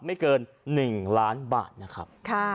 ไม่เกิน๑ล้านบาทนะครับ